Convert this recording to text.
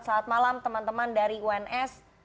selamat malam teman teman dari uns